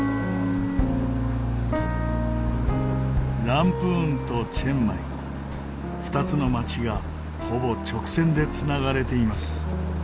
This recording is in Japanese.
ランプーンとチェンマイ２つの町がほぼ直線で繋がれています。